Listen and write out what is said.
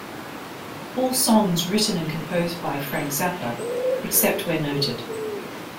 All songs written and composed by Frank Zappa, except where noted.